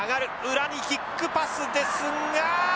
裏にキックパスですが。